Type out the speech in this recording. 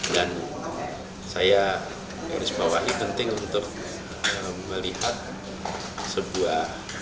dan saya harus bawahi penting untuk melihat sebuah